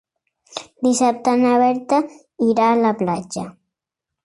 Dissabte na Berta irà a la platja.